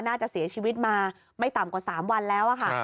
น่าจะเสียชีวิตมาไม่ต่ำกว่า๓วันแล้วค่ะ